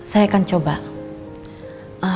baiklah pak saya akan coba